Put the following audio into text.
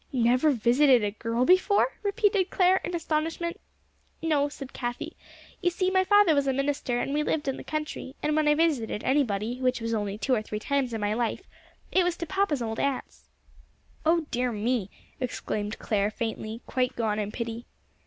"Never visited a girl before!" repeated Clare, in astonishment. "No," said Cathie. "You see, my father was a minister, and we lived in the country, and when I visited anybody, which was only two or three times in my life, it was to papa's old aunts." "Oh dear me!" exclaimed Clare faintly, quite gone in pity.